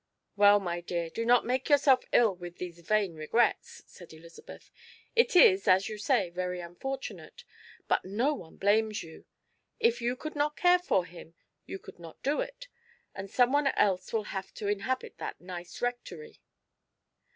"Well, my dear, do not make yourself ill with these vain regrets," said Elizabeth. "It is, as you say, very unfortunate, but no one blames you. If you could not care for him, you could not do it, and someone else will have to inhabit that nice Rectory."